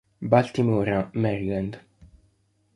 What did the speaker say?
Baltimora, Maryland.